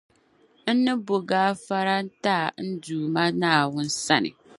N-ni bo gaafara n-ti a n Duuma Naawuni sani.